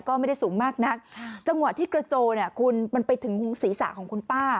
ก็ไม่ได้สูงมากนักจังหวะที่กระโจเนี่ยคุณมันไปถึงศีรษะของคุณป้า